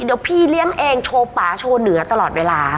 เดี๋ยวพี่เลี้ยงเองโชว์ป่าโชว์เหนือตลอดเวลา